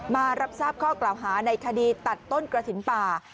มารับทราบข้อกล่าวหาในคดีตัดต้นกระถิ่นป่า